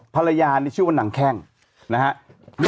ภรรยานี่ชื่อว่านางแข้งนะฮะ